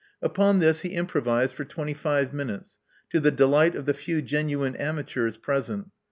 Upon this he improvised for twenty five minutes, to the delight of the few genuine amateurs present.